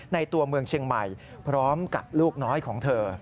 ตัวเมืองเชียงใหม่พร้อมกับลูกน้อยของเธอ